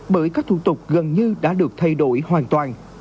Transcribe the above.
bởi các thủ tục gần như đã được thay đổi hoàn toàn